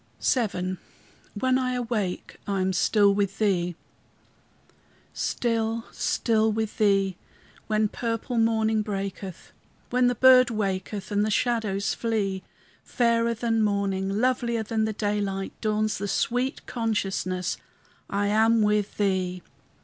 VII WHEN I AWAKE I AM STILL WITH THEE Still, still with Thee, when purple morning breaketh, When the bird waketh and the shadows flee; Fairer than morning, lovelier than the daylight, Dawns the sweet consciousness, I am with Thee!